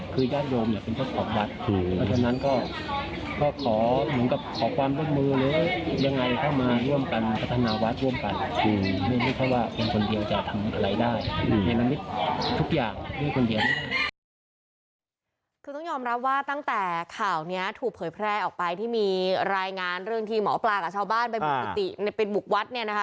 คือต้องยอมรับว่าตั้งแต่ข่าวนี้ถูกเผยแพร่ออกไปที่มีรายงานเรื่องที่หมอปลากับชาวบ้านไปบุกกุฏิเป็นบุกวัดเนี่ยนะคะ